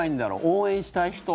応援したい人。